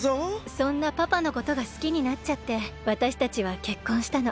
そんなパパのことがすきになっちゃってわたしたちはけっこんしたの。